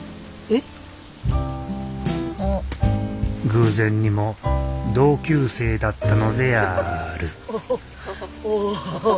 偶然にも同級生だったのであるおお。